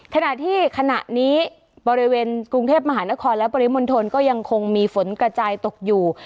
ขณะที่ขณะนี้บริเวณกรุงเทพมหานครและปริมณฑลก็ยังคงมีฝนกระจายตกอยู่